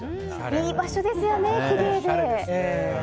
いい場所ですよね、きれいで。